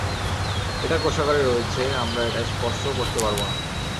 এটা কোষাগারে রয়েছে, আমরা এটা স্পর্শও করতে পারব না।